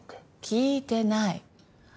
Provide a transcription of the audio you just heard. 聞いてない。